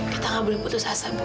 kita nggak boleh putus asa bu